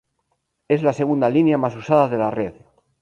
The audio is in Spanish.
Es la segunda línea más usada de la red.